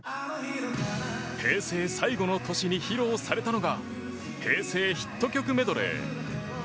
平成最後の年に披露されたのが「平成ヒット曲メドレー」。